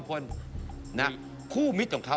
คุณฟังผมแป๊บนึงนะครับ